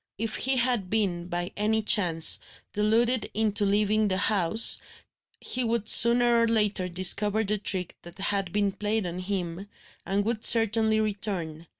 If he had been, by any chance, deluded into leaving the house, he would sooner or later discover the trick that had been played on him, and would certainly return.